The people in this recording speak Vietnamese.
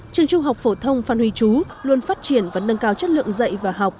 trường trung học phổ thông phan huy chú luôn phát triển và nâng cao chất lượng dạy và học